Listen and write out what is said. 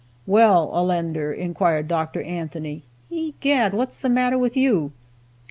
"Well, Allender," inquired Dr. Anthony, "egad, what's the matter with you?"